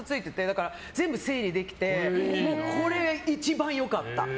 だから全部整理できてこれ、一番良かった。